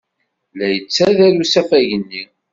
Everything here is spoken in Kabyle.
La yettader usafag-nni.